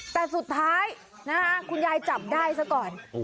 แต่สุดท้ายคุณยายจับได้ซะก่อน